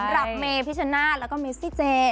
รักเมพิชชนะแล้วก็เมซิเจ